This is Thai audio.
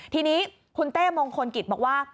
ทีนี้คุณเต้มงคลกิจบอกว่า